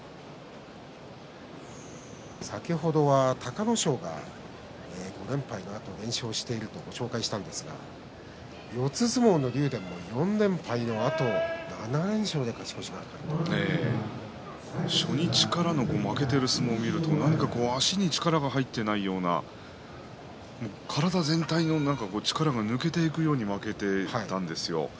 先ほどは隆の勝が５連敗のあと連勝しているとご紹介したんですが四つ相撲の竜電も４連敗のあと７連勝で勝ち越しが初日からの負けている相撲を見ると、何か足に力が入っていないような体全体の力が抜けていくように負けていたんですよ。